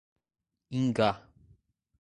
Ingá